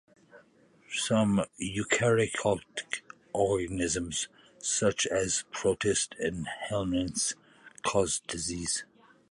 Some eukaryotic organisms, such as protists and helminths, cause disease.